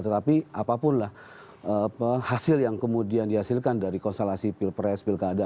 tetapi apapun lah hasil yang kemudian dihasilkan dari konstelasi pilpres pilkada